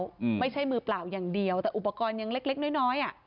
อืมไม่ใช่มือเปล่าอย่างเดียวแต่อุปกรณ์ยังเล็กเล็กน้อยน้อยอ่ะ